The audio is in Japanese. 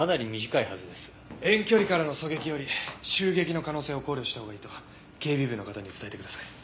遠距離からの狙撃より襲撃の可能性を考慮したほうがいいと警備部の方に伝えてください。